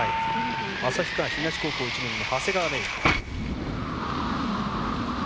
旭川東高校１年の長谷川芽依。